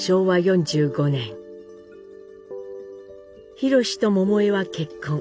宏と桃枝は結婚。